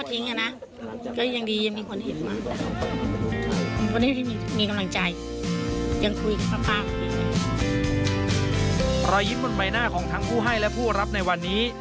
รอยยิ้มบนใบหน้าของทั้งผู้ให้และผู้รับในวันนี้